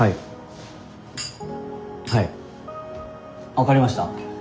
分かりました。